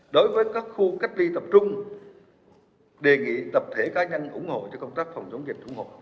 đối với các khu cách ly tập trung đề nghị tập thể cá nhân ủng hộ cho công tác phòng chống dịch ủng hộ